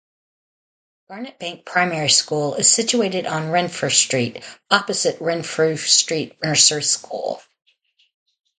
Garnetbank Primary School is situated on Renfrew Street opposite Renfrew Street Nursery School.